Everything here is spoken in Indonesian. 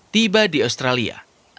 tiba di australia